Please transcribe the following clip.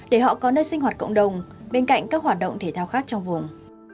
để họ có nơi sinh hoạt cộng đồng bên cạnh các hoạt động thể thao khác trong vùng